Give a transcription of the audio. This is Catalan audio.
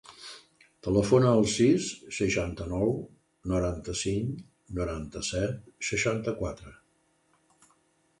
Telefona al sis, seixanta-nou, noranta-cinc, noranta-set, seixanta-quatre.